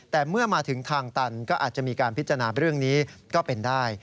แต่เมื่อมาถึงทางตันก็อาจจะมีการพิจารณาเรื่องนี้ก็เป็นได้